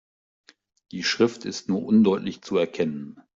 Die Schrift ist nur undeutlich zu erkennen.